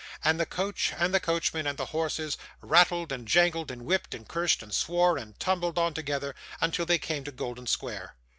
And the coach, and the coachman, and the horses, rattled, and jangled, and whipped, and cursed, and swore, and tumbled on together, until they came to Golden Square.